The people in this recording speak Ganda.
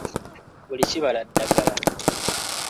Buli kibala ddagala.